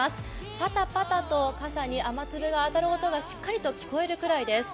パタパタと傘に雨粒が当たる音がしっかりと聞こえるぐらいです。